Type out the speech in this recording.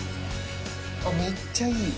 めっちゃいい。